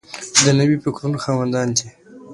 د نویو فکرونو خاوندان دي.